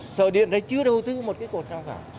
sợ điện này chưa đầu tư một cái cột nào cả